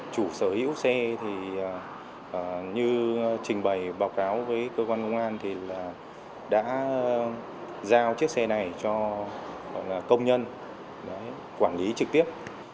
chủ sở hữu xe như trình bày báo cáo với cơ quan công an thì đã giao chiếc xe này cho công nhân quản lý trực tiếp